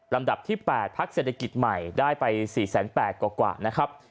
ลำดับที่๘พักเศรษฐกิจใหม่ได้ไป๔๘๐๐กว่านะครับ